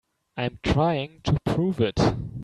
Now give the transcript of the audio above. I'm trying to prove it.